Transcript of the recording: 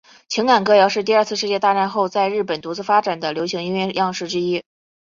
情感歌谣是第二次世界大战后在日本独自发展的流行音乐样式之一。